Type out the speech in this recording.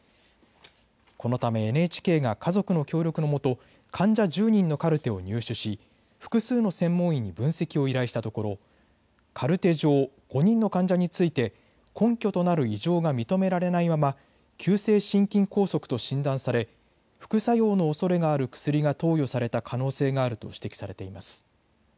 このためＮＨＫが家族の協力のもと患者１０人のカルテを入手し複数の専門医に分析を依頼したところカルテ上５人の患者について根拠となる異常が認められないまま急性心筋梗塞と診断され副作用のおそれがある薬が投与された可能性があると指摘されています。